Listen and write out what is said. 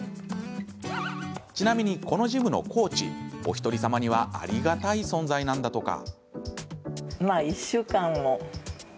ちなみに、このジムのコーチおひとりさまにはありがたい存在なんだとか。